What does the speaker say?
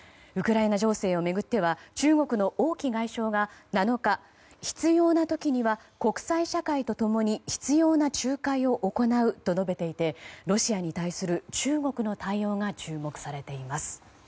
ウクライナ情勢を巡っては中国の王毅外相が７日必要な時には国際社会と共に必要な仲介を行うと述べていてロシアに対する中国の対応が注目されています。